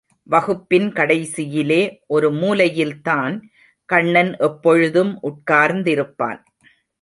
வகுப்பின் கடைசியிலே, ஒரு மூலையில்தான் கண்ணன் எப்பொழுதும் உட்கார்ந்திருப்பான்.